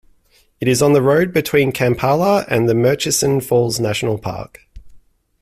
It is on the road between Kampala and the Murchison Falls National Park.